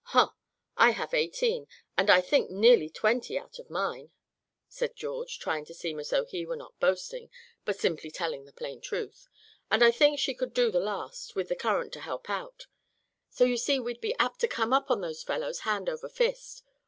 "Huh! I have had eighteen, and I think nearly twenty out of mine," said George, trying to seem as though he were not boasting, but simply telling the plain truth, "and I think she could do that last, with the current to help out. So you see we'd be apt to come up on those fellows hand over fist.